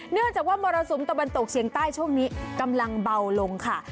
เนื่องจากว่ามรสุมตะวันตกเฉียงใต้ช่วงนี้กำลังเบาลงค่ะ